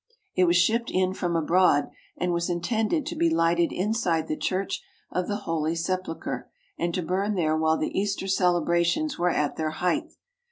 It was shipped in from abroad, and was intended to be lighted inside the Church of the Holy Sepulchre and to burn there while the Easter celebrations were at their height.